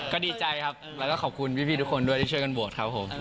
ก็ดีใจครับแล้วก็ขอบคุณพี่ทุกคนด้วยที่ช่วยกันบวชครับผม